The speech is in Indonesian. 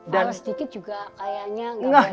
kalau sedikit juga kayaknya gak boleh